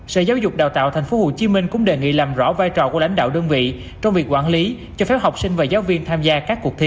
sở giáo dục đào tạo tp hcm cũng đề nghị làm rõ vai trò của lãnh đạo đơn vị trong việc quản lý cho phép học sinh và giáo viên tham gia các cuộc thi